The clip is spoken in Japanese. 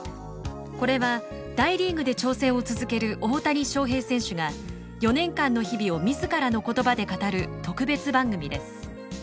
これは大リーグで挑戦を続ける大谷翔平選手が４年間の日々を自らの言葉で語る特別番組です。